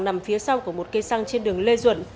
nằm phía sau của một cây xăng trên đường lê duẩn